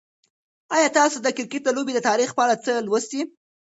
آیا تاسو د کرکټ د لوبې د تاریخ په اړه څه لوستي؟